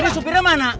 ini supirnya mana